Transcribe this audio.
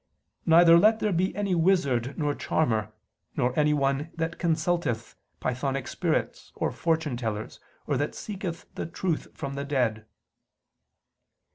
. neither let there by any wizard nor charmer, nor anyone that consulteth pythonic spirits, or fortune tellers, or that seeketh the truth from the dead."